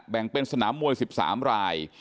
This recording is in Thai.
แบ่งเป็นสนามมวย๑๓ราย